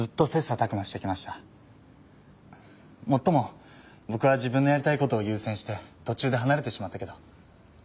もっとも僕は自分のやりたいことを優先して途中で離れてしまったけど。